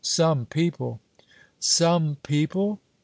Some people!" "Some people?"